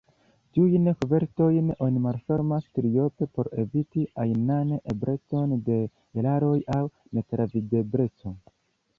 Tiujn kovertojn oni malfermas triope, por eviti ajnan eblecon de eraroj aŭ netravidebleco.